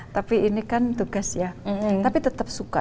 tapi ini kan tugas ya tapi tetap suka